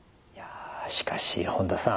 しかし本田さん